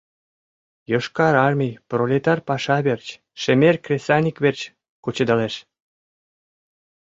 Йошкар Армий пролетар паша верч, шемер кресаньык верч кучедалеш.